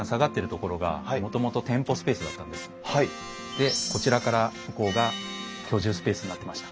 でこちらから向こうが居住スペースになってました。